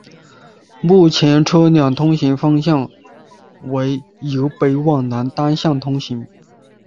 目前车辆通行方向为由北往南单向通行。